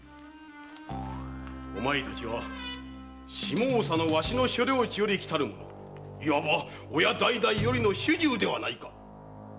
お前達は下総のわしの所領地より来たる者いわば親代々よりの主従ではないか。